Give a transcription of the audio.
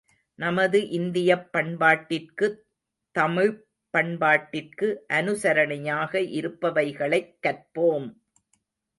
நமது இந்தியப் பண்பாட்டிற்கு தமிழ்ப் பண்பாட்டிற்கு அனுசரணையாக இருப்பவைகளைக் கற்போம்!